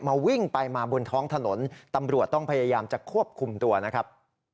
วิ่งไปมาบนท้องถนนตำรวจต้องพยายามจะควบคุมตัวนะครับ